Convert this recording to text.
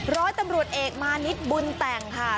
ร้อยตำรวจเอกมานิดบุญแต่งค่ะ